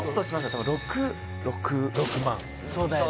多分６６６００００そうだよね